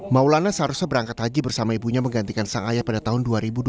maulana seharusnya berangkat haji bersama ibunya menggantikan sang ayah pada tahun dua ribu dua belas